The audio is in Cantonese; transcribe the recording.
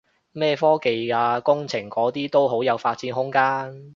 咩科技啊工程嗰啲都好有發展空間